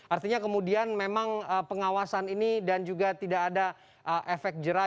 artinya kemudian memang pengawasan ini dan juga tidak ada efek jerah